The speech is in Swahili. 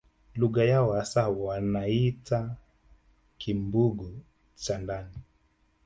Lugha yao hasa wanaiita Kimbugu cha ndani